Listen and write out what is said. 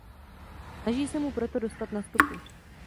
Snaží se mu proto dostat na stopu.